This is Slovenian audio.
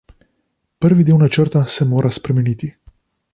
Prvi del načrta se mora spremeniti.